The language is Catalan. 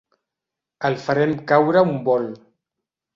El farem caure a un bol.